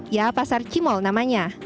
ya pasar cimol namanya